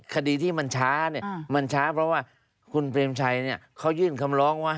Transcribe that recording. คดีที่มันช้าเพราะว่าคุณเปรมชัยเขายื่นคำล้องว่า